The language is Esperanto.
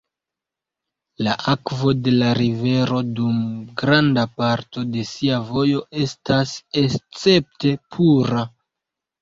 La akvo de la rivero dum granda parto de sia vojo estas escepte pura.